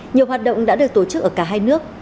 nhiều hoạt động đã được tổ chức ở cả hai nước